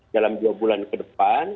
dalam dua bulan ke depan